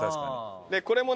これもね